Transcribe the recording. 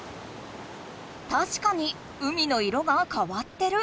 たしかに海の色がかわってる！